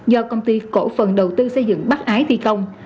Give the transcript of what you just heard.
do công ty cổ phần đầu tư xây dựng bắc ái thi công